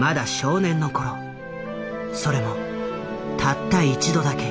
それもたった一度だけ。